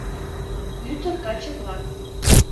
Ӱдыр-каче-влак.